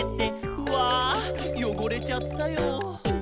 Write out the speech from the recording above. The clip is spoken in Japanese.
「うぁよごれちゃったよ」